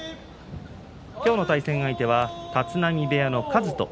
今日の対戦相手は立浪部屋の一翔。